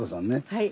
はい。